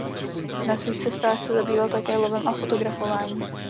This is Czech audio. Na svých cestách se zabýval také lovem a fotografováním.